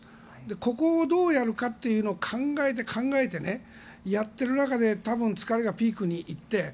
ここをどうやるかというのを考えて考えてやっている中で多分、疲れがピークにいって。